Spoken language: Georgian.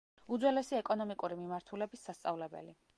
უძველესი ეკონომიკური მიმართულების სასწავლებელი.